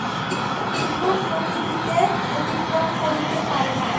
কেহ প্রকৃতিতে অতিক্রম করিতে পারে না।